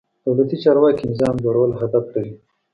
دولتي چارواکي نظام جوړول هدف لري.